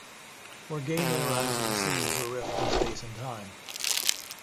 Morgaine then arrives on the scene through a rift in space and time.